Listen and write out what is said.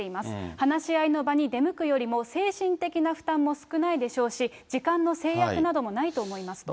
話し合いの場に出向くよりも、精神的な負担も少ないでしょうし、時間の制約などもないと思いますと。